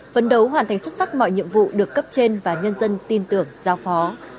phấn đấu hoàn thành xuất sắc mọi nhiệm vụ được cấp trên và nhân dân tin tưởng giao phó